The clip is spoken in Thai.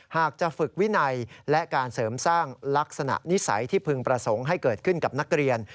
หากจะฝึกวินัยและการเสริมสร้างลักษณะนิสัยที่พึงประสงค์ให้เกิดขึ้นกับนักเรียน